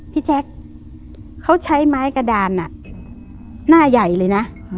พี่แจ๊คเขาใช้ไม้กระดานหน้าใหญ่เลยนะ